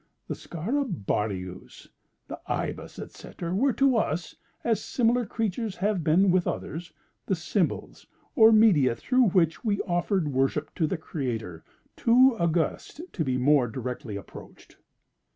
The Scarabaeus, the Ibis, etc., were with us (as similar creatures have been with others) the symbols, or media, through which we offered worship to the Creator too august to be more directly approached."